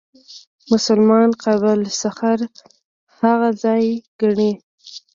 مسلمانان قبه الصخره هغه ځای ګڼي.